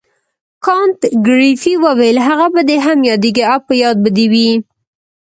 کانت ګریفي وویل هغه به دې هم یادیږي او په یاد به دې وي.